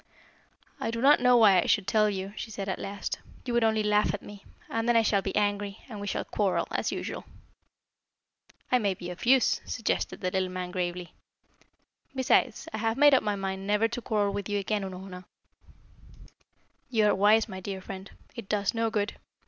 "I do not know why I should tell you," she said at last. "You will only laugh at me, and then I shall be angry, and we shall quarrel as usual." "I may be of use," suggested the little man gravely. "Besides, I have made up my mind never to quarrel with you again, Unorna." "You are wise, my dear friend. It does no good.